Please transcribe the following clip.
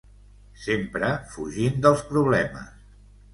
Sempre fugint dels problemes.